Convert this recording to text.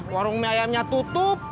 warung mie ayamnya tutup